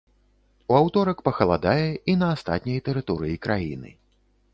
У аўторак пахаладае і на астатняй тэрыторыі краіны.